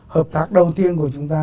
hợp tác đầu tiên của chúng ta